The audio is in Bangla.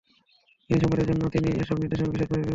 জ্ঞানী সম্প্রদায়ের জন্য তিনি এসব নিদর্শন বিশদভাবে বিবৃত করেন।